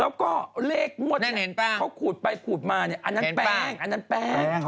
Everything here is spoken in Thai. แล้วก็เลขงวดเนี่ยเขาขูดไปขูดมาเนี่ยอันนั้นแป้งอันนั้นแป้ง